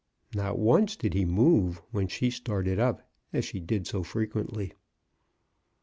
Not once did he move when she started up, as she did so frequently.